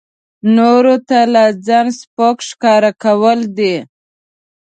نورو ته لا ځان سپک ښکاره کول دي.